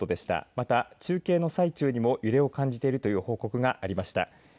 また中継の最中にも揺れを感じているという報告がありました。